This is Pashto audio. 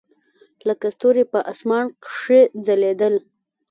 لکه ستوري په اسمان کښې ځلېدل.